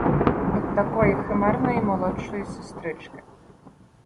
от такої химерної молодшої сестрички.